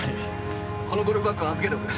このゴルフバッグは預けとく。